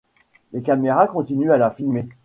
Les caméras continuent à la filmer.